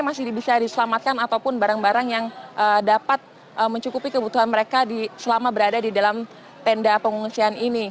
masih bisa diselamatkan ataupun barang barang yang dapat mencukupi kebutuhan mereka selama berada di dalam tenda pengungsian ini